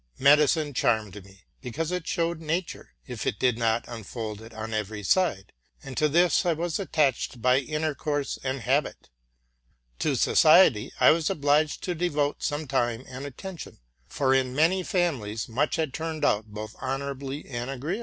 Medicine charmed me, because it showed nature, if it did not unfold it on every side; and to this I was attached by intercourse and habit. 'To society I was obliged to devote some time and ittention ; for in many families I had fallen in for much, both of love and honor.